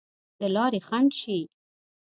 د لارې خنډ شي.